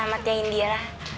selamat ya indira